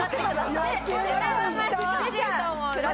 これは難しいと思う。